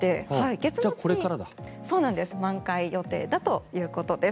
月末に満開予定だということです。